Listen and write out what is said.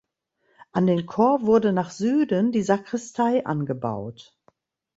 An den Chor wurde nach Süden die Sakristei angebaut.